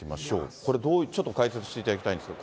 これ、ちょっと解説していただきたいんですけど。